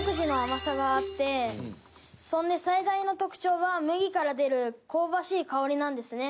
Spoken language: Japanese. そんで最大の特徴は麦から出る香ばしい香りなんですね。